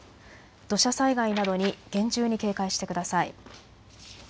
土砂災害などに厳重に警戒してください。